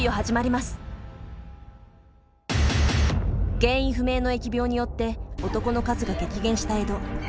原因不明の疫病によって男の数が激減した江戸。